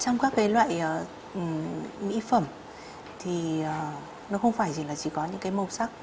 trong các loại mỹ phẩm thì nó không phải chỉ có những màu sắc